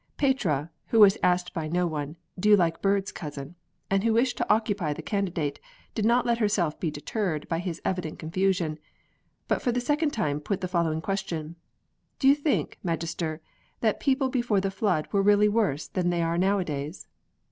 Petrea, who was asked by no one "Do you like birds, cousin?" and who wished to occupy the Candidate, did not let herself be deterred by his evident confusion, but for the second time put the following question: "Do you think, Magister, that people before the Flood were really worse than they are nowadays?"